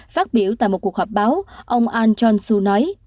phát biểu tại một cuộc họp báo ông ahn jong soo nói